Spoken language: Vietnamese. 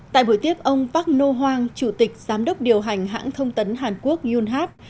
tại buổi tiếp ông park noh hoang chủ tịch giám đốc điều hành hãng thông tấn hàn quốc yunhap